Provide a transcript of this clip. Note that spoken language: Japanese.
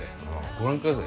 ご覧ください